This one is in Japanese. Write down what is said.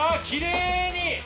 きれいに！